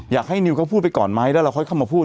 นิวเขาพูดไปก่อนไหมแล้วเราค่อยเข้ามาพูด